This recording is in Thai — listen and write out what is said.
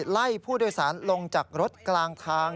ไล่ผู้โดยสารลงจากรถกลางทาง